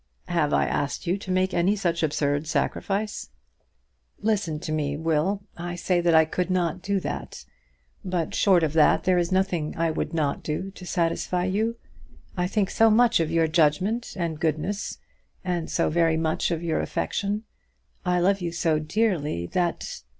"Have I asked you to make any such absurd sacrifice?" "Listen to me, Will. I say that I could not do that. But, short of that, there is nothing I would not do to satisfy you. I think so much of your judgment and goodness, and so very much of your affection; I love you so dearly, that